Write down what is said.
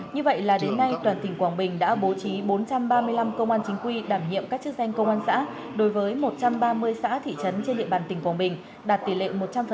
như vậy là đến nay toàn tỉnh quảng bình đã bố trí bốn trăm ba mươi năm công an chính quy đảm nhiệm các chức danh công an xã đối với một trăm ba mươi xã thị trấn trên địa bàn tỉnh quảng bình đạt tỷ lệ một trăm linh